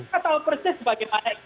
saya tahu persis bagaimana